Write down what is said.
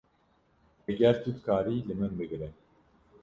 Eger tu dikarî, li min bigire.